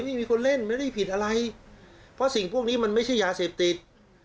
ไม่มีคนเล่นไม่ได้ผิดอะไรเพราะสิ่งพวกนี้มันไม่ใช่ยาเสพติด